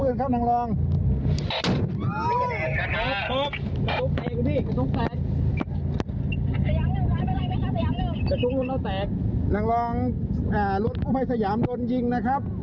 น้องรองร้อนกู้ภัยสยามโดนยิงนะครับ